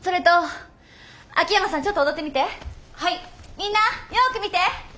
みんなよく見て！